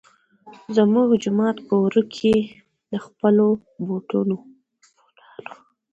مونږ جومات پۀ ورۀ کښې د خپلو بوټانو